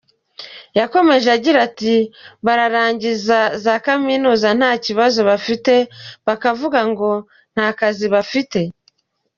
Yakomeje agira ati “Bararangiza za Kaminuza nta kibazo bafite, bakavuga ngo nta kazi bafite.